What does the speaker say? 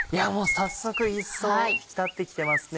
早速一層引き立ってきてますね。